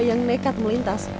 yang nekat melintas